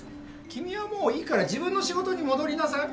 君はもういいから自分の仕事に戻りなさい。